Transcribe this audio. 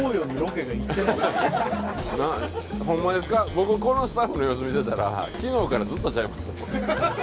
僕、このスタッフの様子見てたら昨日からずっとちゃいますの？